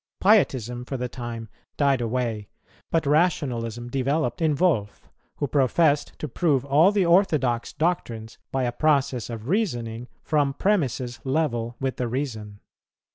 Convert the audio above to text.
Pietism for the time died away; but rationalism developed in Wolf, who professed to prove all the orthodox doctrines, by a process of reasoning, from premisses level with the reason.